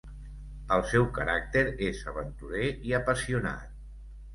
El seu caràcter és aventurer i apassionat.